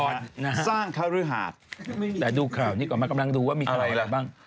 ลาก่อดูข่าวอันนี้ก่อนคำนั้นดูว่ามีข่าวอะไรบ้าง